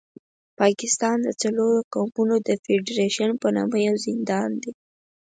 پاکستان د څلورو قومونو د فېډرېشن په نامه یو زندان دی.